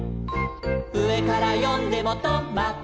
「うえからよんでもト・マ・ト」